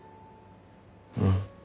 うん。